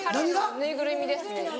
ぬいぐるみですね。